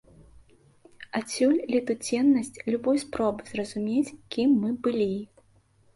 Адсюль летуценнасць любой спробы зразумець, кім мы былі.